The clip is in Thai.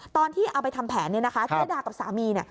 ตอนที่เอาไปทำแผนเจ๊ดากับสามี